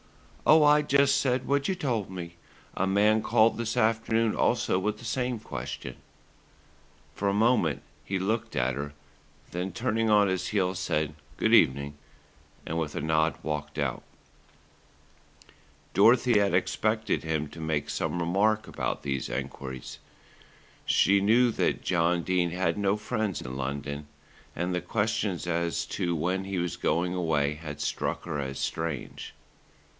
"Oh, I just said what you told me. A man called this afternoon also with the same question." For a moment he looked at her, then turning on his heel said "good evening," and with a nod walked out. Dorothy had expected him to make some remark about these enquiries. She knew that John Dene had no friends in London, and the questions as to when he was going away had struck her as strange.